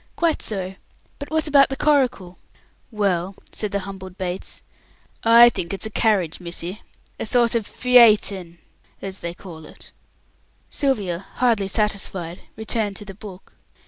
Quite so. But what about coracle?" "Well," said the humbled Bates, "I think it's a carriage, missy. A sort of Pheayton, as they call it." Sylvia, hardly satisfied, returned to the book.